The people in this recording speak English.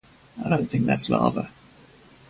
I don't think that's lava.